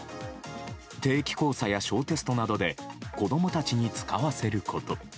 定期考査や小テストなどで子供たちに使わせること。